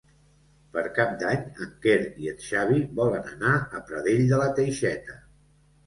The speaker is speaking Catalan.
Per Cap d'Any en Quer i en Xavi volen anar a Pradell de la Teixeta.